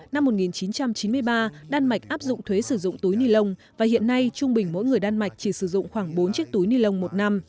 năm một nghìn chín trăm chín mươi ba đan mạch áp dụng thuế sử dụng túi ni lông và hiện nay trung bình mỗi người đan mạch chỉ sử dụng khoảng bốn chiếc túi ni lông một năm